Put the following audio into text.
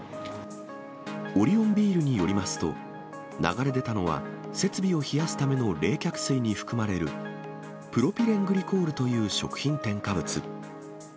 オリオンビールによりますと、流れ出たのは設備を冷やすための冷却水に含まれるプロピレングリコールという食品添加物。